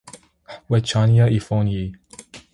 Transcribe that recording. W'echanya ifonyi.